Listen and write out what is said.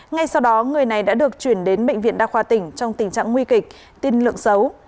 ngay sau đó người này đã được chuyển đến bệnh viện đa khoa tỉnh trong tình trạng nguy kịch tin lượng xấu